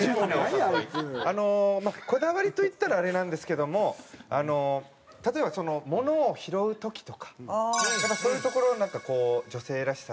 あのこだわりと言ったらあれなんですけども例えばものを拾う時とかそういうところなんかこう女性らしさというか。